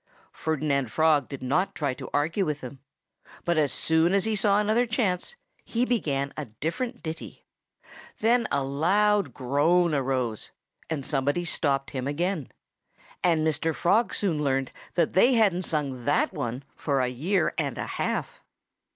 Ferdinand Frog did not try to argue with him. But as soon as he saw another chance he began a different ditty. Then a loud groan arose. And somebody stopped him again. And Mr. Frog soon learned that they hadn't sung that one for a year and a half.